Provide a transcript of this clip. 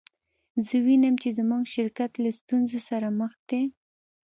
زه وینم چې زموږ شرکت له ستونزو سره مخ دی